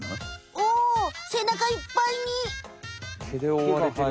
おおせなかいっぱいに。